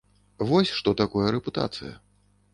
Вось што такое рэпутацыя.